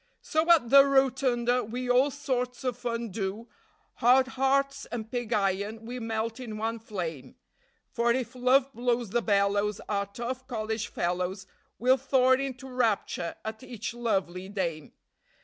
So at the Rotunda we all sorts of fun do, Hard hearts and pig iron we melt in one flame; For if Love blows the bellows, our tough college fellows Will thaw into rapture at each lovely dame.